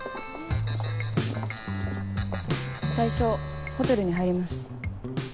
対象ホテルに入ります。